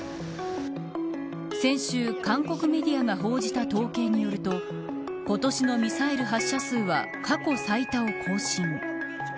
先週、韓国メディアが報じた統計によると今年のミサイル発射数は過去最多を更新。